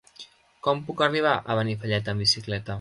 Com puc arribar a Benifallet amb bicicleta?